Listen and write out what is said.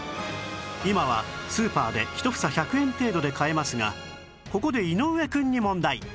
今はスーパーで１房１００円程度で買えますがここで井上くんに問題